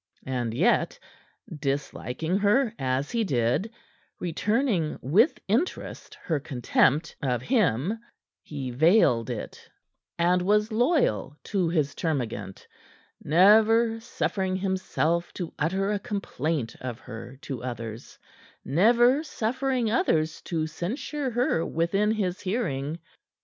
And yet, disliking her as he did, returning with interest her contempt of him, he veiled it, and was loyal to his termagant, never suffering himself to utter a complaint of her to others, never suffering others to censure her within his hearing.